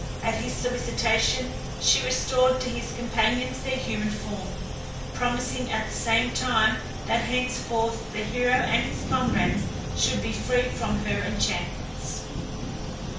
At his solicitation she restored to his companions their human form, promising at the same time that henceforth the hero and his comrades should be free from her enchantments.